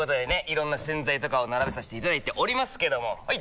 色んな洗剤とかを並べさせていただいておりますけどもはい！